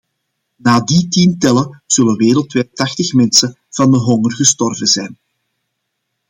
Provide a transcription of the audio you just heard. Na die tien tellen zullen wereldwijd tachtig mensen van de honger gestorven zijn.